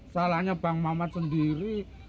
salahnya bang mamat sendiri